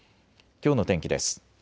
きょうの天気です。